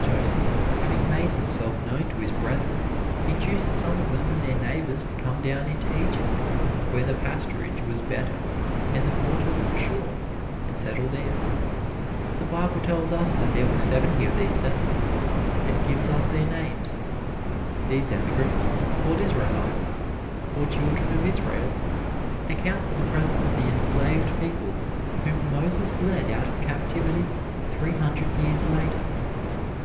Joseph having made himself known to his brethren induced some of them and their neighbors to come down into Egypt, where the pasturage was better and the water more sure, and settle there. The Bible tells us that there were seventy of these settlers and gives us their names. These emigrants, called Israelites, or Children of Israel, account for the presence of the enslaved people whom Moses led out of captivity three hundred years later.